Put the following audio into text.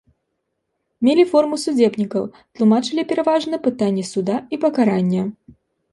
Мелі форму судзебнікаў, тлумачылі пераважна пытанні суда і пакарання.